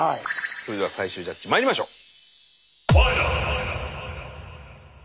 それでは最終ジャッジまいりましょう。